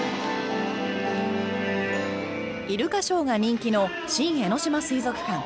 イルカショーが人気の新江ノ島水族館。